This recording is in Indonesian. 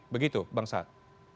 begitu bang saad